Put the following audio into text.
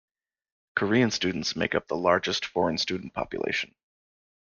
Korean students make up the largest foreign student population.